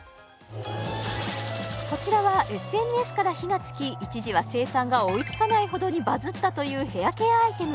こちらはＳＮＳから火が付き一時は生産が追いつかないほどにバズったというヘアケアアイテム